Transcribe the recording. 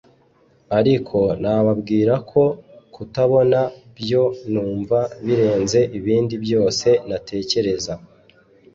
ariko nababwira ko kutabona byo nunva birenze ibindi byose natekereza